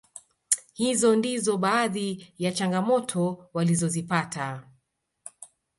Hizo ndizo baadhi ya changamoto walizozipata